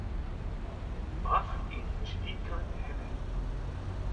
Baskên çivîkan hene.